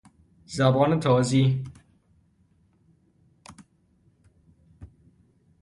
زبان تازی